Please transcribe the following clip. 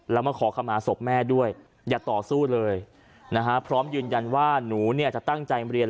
แล้วมาขอขมาศพแม่ด้วยอย่าต่อสู้เลยนะฮะพร้อมยืนยันว่าหนูเนี่ยจะตั้งใจเรียน